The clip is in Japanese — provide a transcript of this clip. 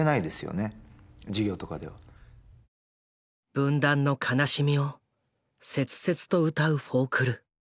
分断の悲しみを切々と歌うフォークル。